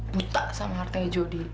buta sama nertanya jody